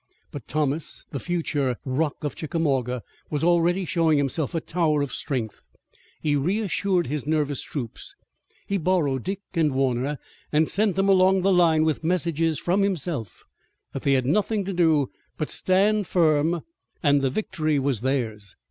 But Thomas, the future "Rock of Chickamauga," was already showing himself a tower of strength. He reassured his nervous troops, he borrowed Dick and Warner and sent them along the line with messages from himself that they had nothing to do but stand firm and the victory was theirs.